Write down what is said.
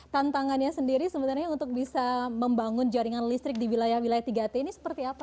tantangannya sendiri sebenarnya untuk bisa membangun jaringan listrik di wilayah wilayah tiga t ini seperti apa